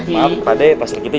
pak deh pak sergiti